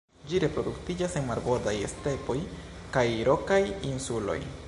Ĝi reproduktiĝas en marbordaj stepoj kaj rokaj insuloj.